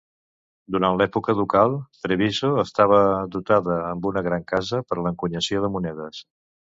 Durant l'època ducal, Treviso estava dotada amb una gran casa per a l'encunyació de monedes.